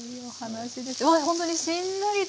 ほんとにしんなりと。